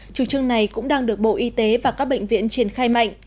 chủ trương này cũng đang được bộ y tế và các bệnh viện triển khai mạnh